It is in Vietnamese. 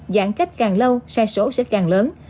giãn cách càng lâu sai số sẽ càng lớn